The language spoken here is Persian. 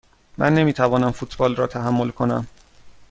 من نمی توانم فوتبال را تحمل کنم.